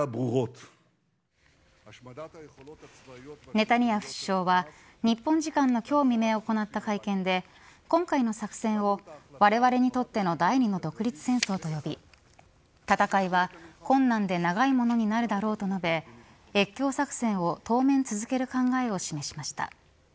ネタニヤフ首相は日本時間の今日未明行った会見で今回の作戦をわれわれにとっての第２の独立戦争と呼び戦いは困難で長いものになるだろうと述べ越境作戦を当面続ける考えを示しました。